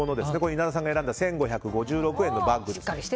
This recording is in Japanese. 稲田さんが選んだ１５５６円のバッグです。